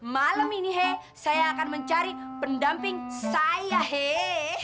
malam ini hei saya akan mencari pendamping saya hei